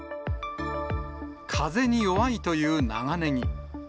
風に弱いという長ネギ。